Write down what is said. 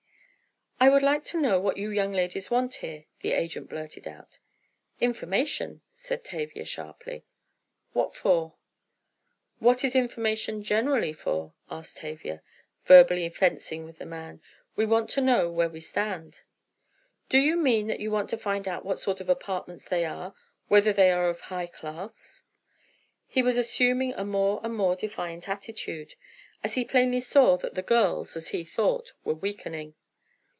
"I would like to know what you young ladies want here?" the agent blurted out. "Information," said Tavia, sharply. "What for?" "What is information generally for?" asked Tavia, verbally fencing with the man. "We want to know where we stand." "Do you mean you want to find out what sort of apartments they are—whether they are of high class?" He was assuming a more and more defiant attitude, as he plainly saw that the girls, as he thought, were weakening.